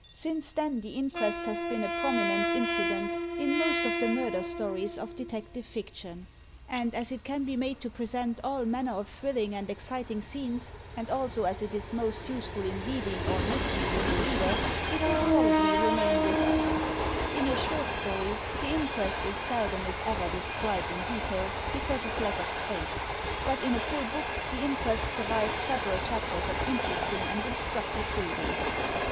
Since then, the inquest has been a prominent incident in most of the murder stories of detective fiction; and as it can be made to present all manner of thrilling and exciting scenes, and also as it is most useful in leading or misleading the reader, it will probably remain with us. 256 THE. TECHNIQUE OF THE MYSTERY STORY In a short story, the inquest is seldom if ever described in detail, because of lack of space. But in a full book the inquest provides several chapters of interesting and instructive reading.